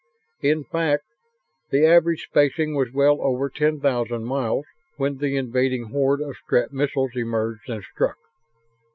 In fact, the average spacing was well over ten thousand miles when the invading horde of Strett missiles emerged and struck.